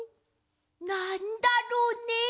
なんだろうね？